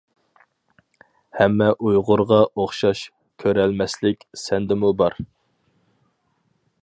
ھەممە ئۇيغۇرغا ئوخشاش كۆرەلمەسلىك سەندىمۇ بار.